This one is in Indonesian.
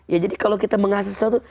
ya jadi kalau kita mengasih sesuatu